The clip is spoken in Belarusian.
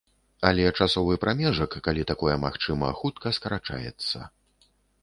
Але часавы прамежак, калі такое магчыма, хутка скарачаецца.